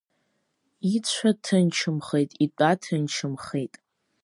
Ицәа ҭынчымхеит, итәа ҭынчымхеит.